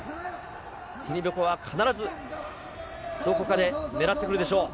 ティニベコワは必ずどこかで狙ってくるでしょう。